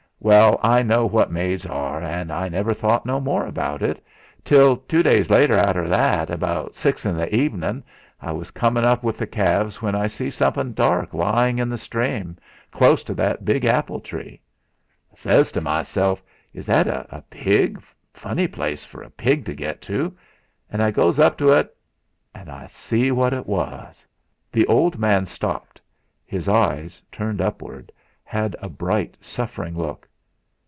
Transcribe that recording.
Well, I know what maids are, an' I never thought no more about et, till two days arter that, 'bout six in the avenin' I was comin' up wi' the calves, when I see somethin' dark lyin' in the strame, close to that big apple tree. I says to meself: 'Is that a pig funny place for a pig to get to!' an' I goes up to et, an' I see what 'twas." The old man stopped; his eyes, turned upward, had a bright, suffering look.